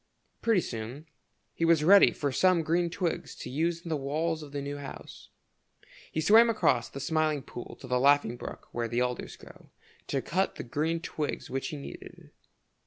Pretty soon he was ready for some green twigs to use in the walls of the new house. He swam across the Smiling Pool to the Laughing Brook, where the alders grow, to cut the green twigs which he needed.